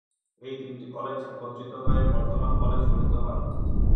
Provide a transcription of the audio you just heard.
এই তিনটি কলেজ একত্রিত হয়ে বর্তমান কলেজ গঠিত হয়।